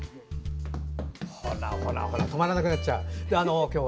ほらほら、止まらなくなっちゃう。